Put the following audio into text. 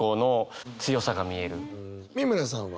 美村さんは？